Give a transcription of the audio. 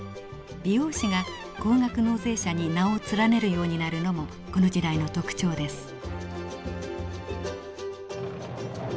美容師が高額納税者に名を連ねるようになるのもこの時代の特徴です。